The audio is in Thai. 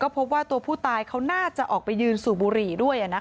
พบว่าตัวผู้ตายเขาน่าจะออกไปยืนสูบบุหรี่ด้วย